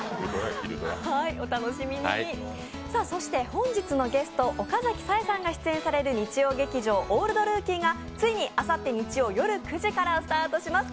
本日のゲスト、岡崎紗絵さんが出演される日曜劇場「オールドルーキー」がついにあさって日曜夜９時からスタートします。